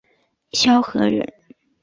萧何人。